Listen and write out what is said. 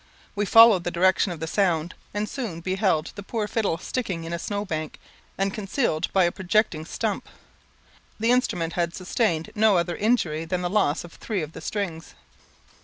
We followed the direction of the sound, and soon beheld the poor fiddle sticking in a snow bank, and concealed by a projecting stump. The instrument had sustained no other injury than the loss of three of the strings.